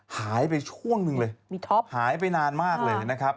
หายไปช่วงหนึ่งเลยมีท็อปหายไปนานมากเลยนะครับ